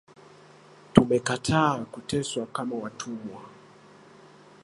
Tumekataa kuteswa kama watumwa